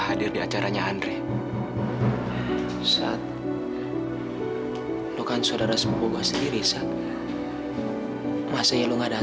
hadir di acaranya andre saat lo kan saudara sepupu sendiri saat hai masa yang lu nggak datang